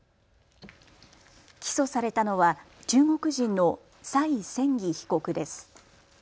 起訴されたのは中国人の蔡倩儀被告です。